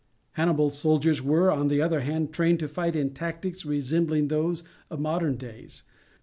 Hannibal's soldiers were, on the other hand, trained to fight in tactics resembling those of modern days.